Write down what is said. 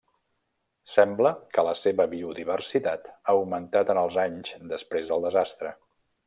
Sembla que la seva biodiversitat ha augmentat en els anys després del desastre.